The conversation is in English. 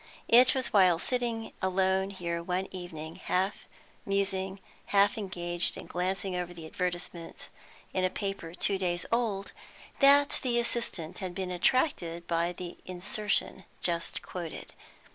It was while sitting alone here one evening, half musing, half engaged in glancing over the advertisements in a paper two days old, that the assistant had been attracted by the insertion just quoted.